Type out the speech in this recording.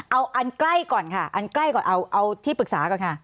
เอาอันใกล้ก่อนค่ะอันใกล้ก่อนเอาที่ปรึกษาก่อนค่ะ